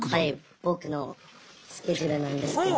僕のスケジュールなんですけど。